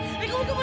kak suara satu kak